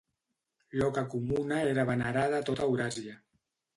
L'oca comuna era venerada a tot Euràsia.